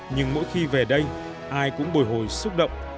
nhưng mỗi khi về đây ai cũng bồi hồi xúc động